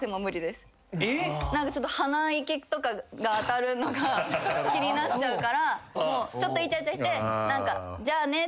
何かちょっと鼻息とかが当たるのが気になっちゃうからちょっといちゃいちゃしてじゃあねって言って。